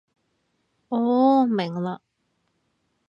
哦，明嘞